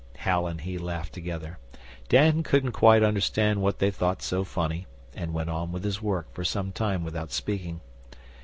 Hal and he laughed together. Dan couldn't quite understand what they thought so funny, and went on with his work for some time without speaking.